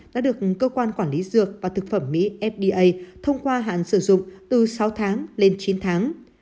đã được cơ quan quản lý dược và thực phẩm mỹ fda thông qua hạn sử dụng từ sáu tháng lên chín tháng